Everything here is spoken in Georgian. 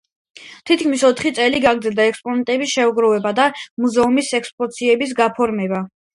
თითქმის ოთხი წელი გაგრძელდა ექსპონატების შეგროვება და მუზეუმის ექსპოზიციების გაფორმება.